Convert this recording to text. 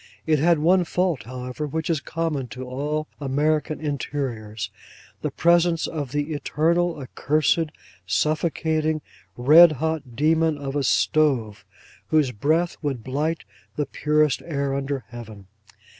It had one fault, however, which is common to all American interiors: the presence of the eternal, accursed, suffocating, red hot demon of a stove, whose breath would blight the purest air under Heaven.